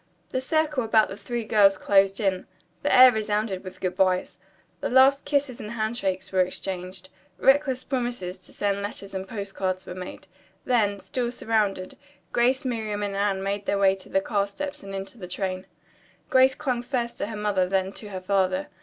The circle about the three girls closed in. The air resounded with good byes. The last kisses and handshakes were exchanged. Reckless promises to send letters and postcards were made. Then, still surrounded, Grace, Miriam and Anne made their way to the car steps and into the train. Grace clung first to her mother then to her father.